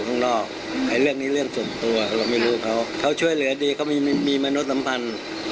ก็ไม่รู้ว่าเขาเขาช่วยเหลือดีเขามีมนุษย์สัมพันธ์